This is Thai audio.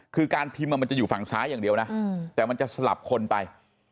คือการพิมพ์มันจะอยู่ฝั่งซ้ายอย่างเดียวนะแต่มันจะสลับคนไป